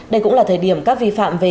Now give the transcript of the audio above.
đây cũng là thời điểm các vi phạm về